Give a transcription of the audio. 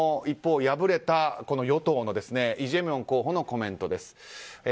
一方、敗れた与党のイ・ジェミョン候補のコメントです。